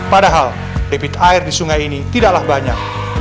padahal debit air di sungai ini tidaklah banyak